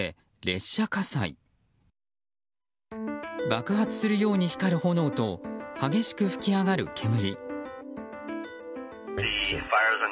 爆発するように光る炎と激しく噴き上がる煙。